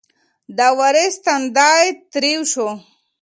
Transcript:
د وارث تندی تریو شو.